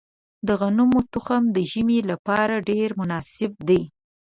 د غنمو تخم د ژمي لپاره ډیر مناسب دی.